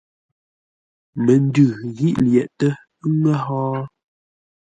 Məndʉ ghí lyəghʼtə́ ə́ ŋə́ hó?